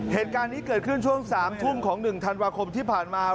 เหตุการณ์นี้เกิดขึ้นช่วง๓ทุ่มของ๑ธันวาคมที่ผ่านมา